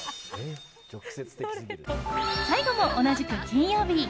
最後も同じく金曜日。